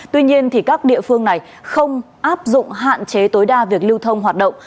tuy nhiên các địa phương này không áp dụng hạn chế tối đa việc lưu thông hoạt động